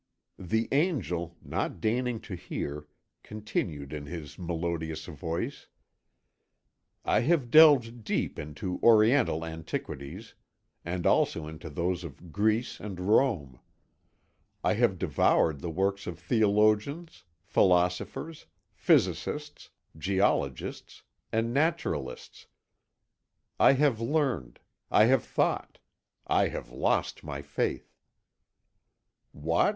The Angel, not deigning to hear, continued in his melodious voice: "I have delved deep into Oriental antiquities and also into those of Greece and Rome. I have devoured the works of theologians, philosophers, physicists, geologists, and naturalists. I have learnt. I have thought. I have lost my faith." "What?